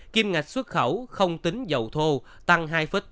kim ngạch xuất khẩu không tính dầu thô tăng hai tám